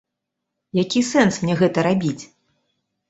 Які сэнс мне гэта рабіць?